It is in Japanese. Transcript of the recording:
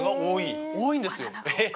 多いんですよ。